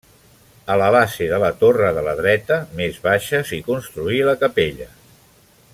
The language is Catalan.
A la base de la torre de la dreta, més baixa, s'hi construí la capella.